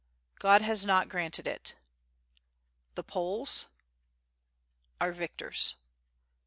"God has not granted it.^' "The Poles?" "Are victors."